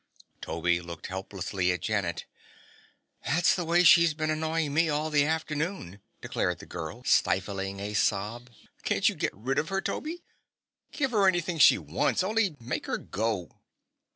Toby looked helplessly at Janet. "That's the way she's been annoying me all the afternoon," declared the girl, stifling a sob. "Can't you get rid of her, Toby? Give her anything she wants; only make her go."